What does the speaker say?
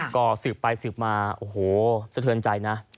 ก็สืบไปสืบมาโอ้โหสะเทือนใจนะ